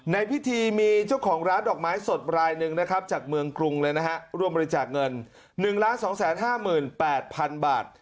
ในพิธีมีเจ้าของร้านดอกไม้สดรายหนึ่งนะครับจากเมืองกรุงเลยนะฮะร่วมบริจาคเงิน๑๒๕๘๐๐๐บาท